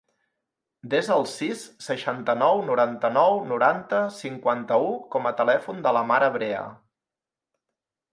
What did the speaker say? Desa el sis, seixanta-nou, noranta-nou, noranta, cinquanta-u com a telèfon de la Mara Brea.